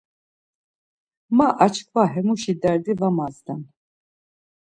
Ma açkva hemuşi derdi var mazden.